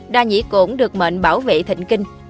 đa nhĩ cổn được mệnh bảo vệ thịnh kinh